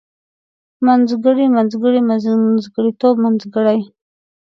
منځګړی منځګړي منځګړيتوب منځګړۍ